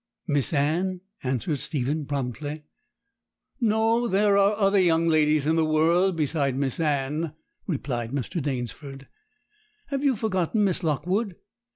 'Miss Anne,' answered Stephen promptly. 'No; there are other young ladies in the world beside Miss Anne!' replied Mr. Danesford. 'Have you forgotten Miss Lockwood?